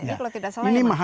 ini kalau tidak salah